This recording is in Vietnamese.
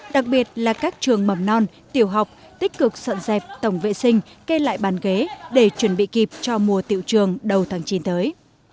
đặc biệt là các trường mầm non tiểu học tích cực sợn dẹp tổng vệ sinh kê lại bàn ghế để chuẩn bị kịp cho mùa tiệu trường đầu tháng chín tới